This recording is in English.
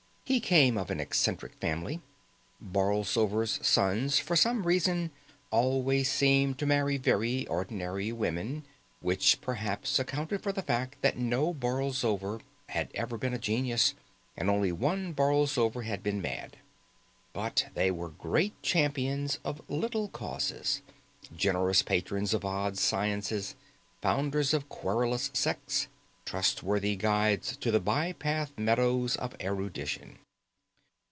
He came of an eccentric family. Borlsovers' sons, for some reason, always seemed to marry very ordinary women, which perhaps accounted for the fact that no Borlsover had been a genius, and only one Borlsover had been mad. But they were great champions of little causes, generous patrons of odd sciences, founders of querulous sects, trustworthy guides to the bypath meadows of erudition.